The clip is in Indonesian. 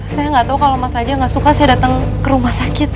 saya gak tau kalau mas rajil gak suka saya datang ke rumah sakit